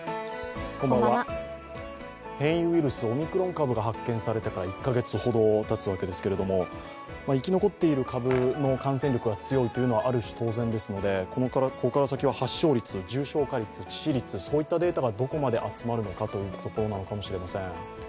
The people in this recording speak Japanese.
変異ウイルス、オミクロン株が発見されてから１カ月ほどたつわけですが、生き残っている株の感染力が強いというのはある種当然ですのでここから先は発症率、重症化率、致死率、そういったデータがどこまで集まるのかというところなのかもしれません。